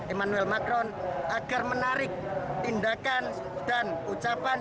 emmanuel macron agar menarik tindakan dan ucapan